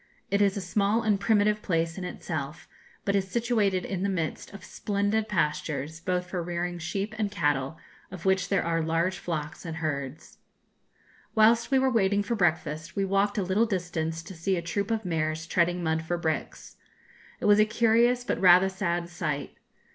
It is a small and primitive place in itself, but is situated in the midst of splendid pastures, both for rearing sheep and cattle, of which there are large flocks and herds. Whilst we were waiting for breakfast, we walked a little distance to see a troop of mares treading mud for bricks. It was a curious, but rather sad sight.